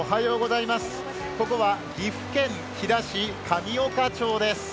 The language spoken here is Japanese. ここは岐阜県飛騨市神岡町です。